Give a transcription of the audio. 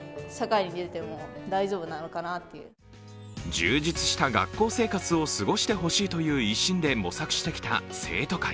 充実した学校生活を過ごしてほしいという一心で模索してきた生徒会。